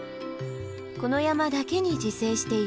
この山だけに自生している